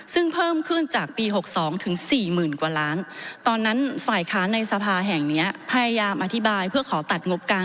ซึ่งเพิ่มขึ้นจากปี๖๒ถึง๔๐๐๐กว่าล้านตอนนั้นฝ่ายค้านในสภาแห่งนี้พยายามอธิบายเพื่อขอตัดงบกลาง